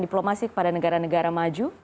diplomasi kepada negara negara maju